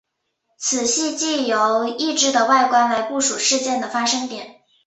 此系藉由异质的外观来部署事件的发生点。